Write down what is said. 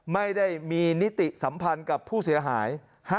ไม่ได้มีนิติสัมพันธ์กับผู้เสียหาย